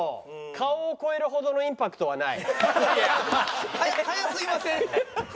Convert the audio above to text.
「顔を超える程のインパクトは無い」